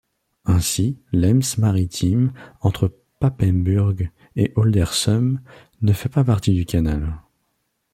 Ainsi l'Ems maritime entre Papenburg et Oldersum ne fait pas partie du canal.